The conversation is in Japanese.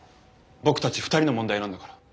僕たち２人の問題なんだから。